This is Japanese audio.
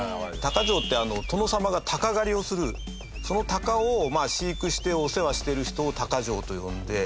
鷹匠って、殿様が鷹狩をするその鷹を飼育してお世話してる人を鷹匠と呼んで。